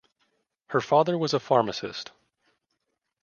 Her father was a pharmacist.